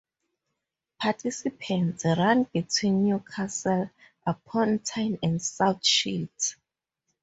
Participants run between Newcastle upon Tyne and South Shields.